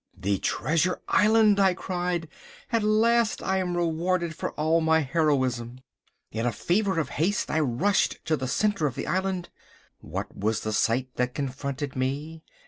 "The treasure island," I cried, "at last I am rewarded for all my heroism." In a fever of haste I rushed to the centre of the island. What was the sight that confronted me?